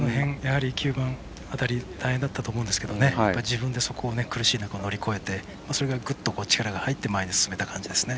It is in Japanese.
９番辺り大変だったと思うんですけど自分で苦しいところを乗り越えてそれがグッと力が入って前に進めた感じですね。